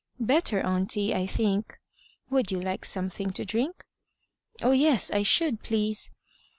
"Better, auntie, I think." "Would you like something to drink?" "Oh, yes! I should, please."